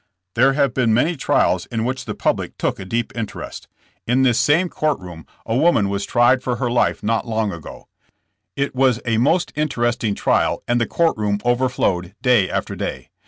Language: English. There have been many trials in which the public took a deep interest. In this same court 140 jnssn jAM^s. room a woman was tried for her life not long ago ; it was a most interesting trial and the court room over flowed day after day.